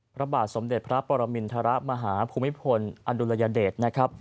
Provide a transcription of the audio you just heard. พระบาทสมเด็จพระปรมินทรมาฮภูมิพลอดุลยเดชนะครับ